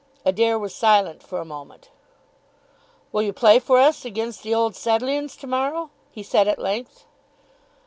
Adair was silent for a moment. "Will you play for us against the Old Sedleighans to morrow?" he said at length.